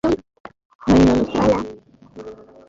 অস্ত্র ক্ষমতার স্বাদ দেয় বিধায় আপনি রাখেন মনে হয়।